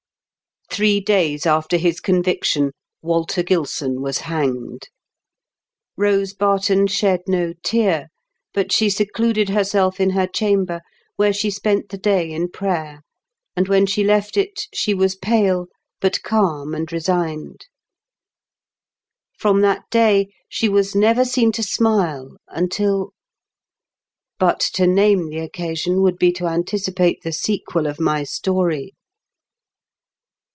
Tliree days after his conviction, Walter Gilson was hanged. Kose Barton shed no teai:, but she secluded herself in her chamber^ where she spent the day in prayer, and when she left it she was pale, but calm and resigned. From that day she was never seen to smile until But to name the occasion would be to anticipate the sequel of my story.